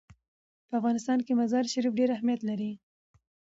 په افغانستان کې مزارشریف ډېر اهمیت لري.